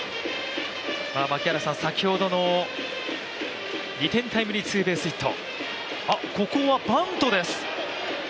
先ほどの２点タイムリーツーベースヒット。